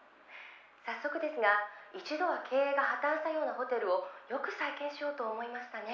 「早速ですが一度は経営が破綻したようなホテルをよく再建しようと思いましたね」